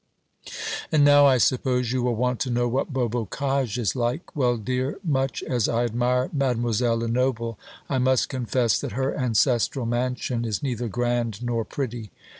And now, I suppose, you will want to know what Beaubocage is like. Well, dear, much as I admire Mademoiselle Lenoble, I must confess that her ancestral mansion is neither grand nor pretty.